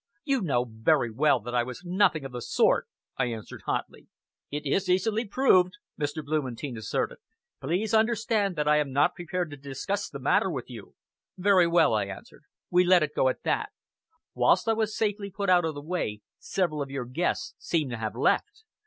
"You know very well that I was nothing of the sort," I answered hotly. "It is easily proved," Mr. Blumentein asserted. "Please understand that I am not prepared to discuss the matter with you." "Very well," I answered. "Let it go at that. Whilst I was safely put out of the way, several of your guests seem to have left.